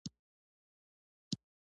پادري لوړ وکتل ویې لیدو او مسکی شو.